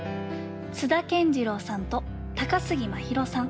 津田健次郎さんと高杉真宙さん